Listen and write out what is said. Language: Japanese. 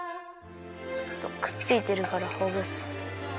ちょっとくっついてるからほぐす！